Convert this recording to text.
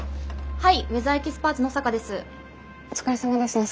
はい。